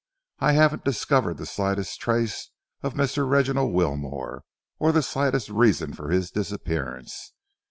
I haven't discovered the slightest trace of Mr. Reginald Wilmore, or the slightest reason for his disappearance.